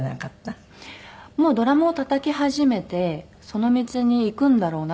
もうドラムをたたき始めてその道に行くんだろうな